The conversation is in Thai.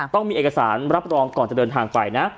ต้องมีเอกสารรับรองก่อนจะเดินทางไปนะ